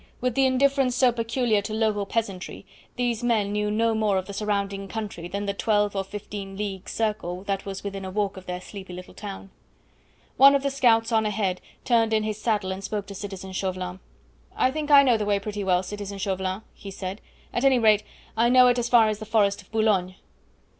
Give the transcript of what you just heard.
With the indifference so peculiar to local peasantry, these men knew no more of the surrounding country than the twelve or fifteen league circle that was within a walk of their sleepy little town. One of the scouts on ahead turned in his saddle and spoke to citizen Chauvelin: "I think I know the way pretty well; citizen Chauvelin," he said; "at any rate, I know it as far as the forest of Boulogne."